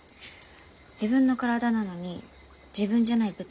自分の体なのに自分じゃない別の命がね